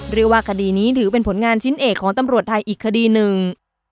เรียกว่าคดีนี้ถือเป็นผลงานชิ้นเอกของตำรวจไทยอีกคดีหนึ่ง